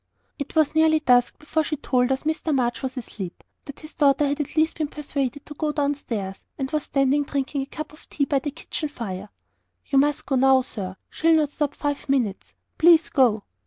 It was nearly dusk before she told us Mr. March was asleep, that his daughter had at last been persuaded to come down stairs, and was standing drinking "a cup o' tea" by the kitchen fire. "You must go now, sir; she'll not stop five minutes. Please go."